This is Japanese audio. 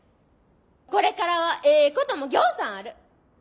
これからはええこともぎょうさんある。